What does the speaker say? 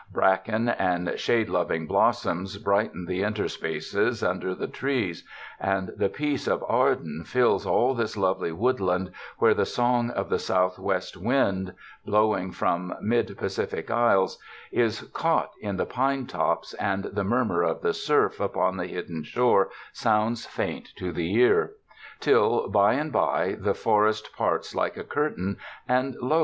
Bracken and shade loving blossoms brighten the interspaces under the trees, and the peace of Arden fills all this lovely woodland where the song of the southwest wind, blowing from mid Pacifio isles, is caught in 231 UNDER THE SKY IN CALIFORNIA the pine tops, and the murmur of the surf upon the hidden shore sounds faint to the ear; till, by and by, the forest parts like a curtain and lo